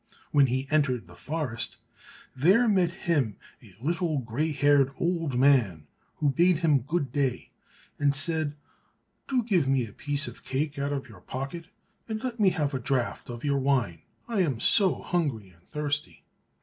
When he entered the forest there met him a little grey haired old man who bade him good day, and said, "Do give me a piece of cake out of your pocket, and let me have a draught of your wine; I am so hungry and thirsty."